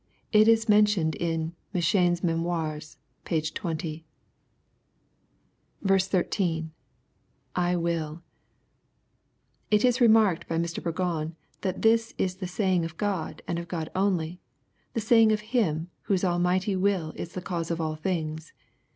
It is mentioned in '^M*Cheyne's Memoirs," p, 200. 13. — [ItuiH] It is remarked by Mr. Burgon that this "is the saying of God, and of God only, — ^the saying of Him, whose almighty will is the cause of all things.